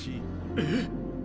えっ？